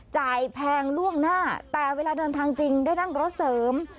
แพงล่วงหน้าแต่เวลาเดินทางจริงได้นั่งรถเสริม